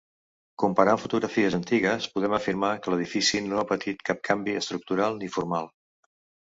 Comparant fotografies antigues podem afirmar que l'edifici no ha patit cap canvi estructural ni formal.